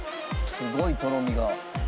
すごいとろみが。